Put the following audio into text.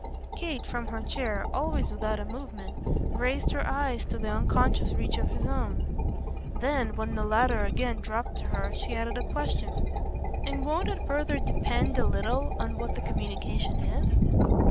Kate, from her chair, always without a movement, raised her eyes to the unconscious reach of his own. Then when the latter again dropped to her she added a question. "And won't it further depend a little on what the communication is?"